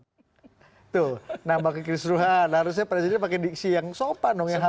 tuh menambah kekisruan harusnya presiden pakai diksi yang sopan dong yang halus